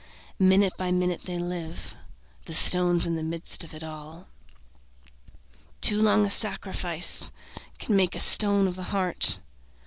Minute by minute they live: The stone's in the midst of all. Too long a sacrifice Can make a stone of the heart.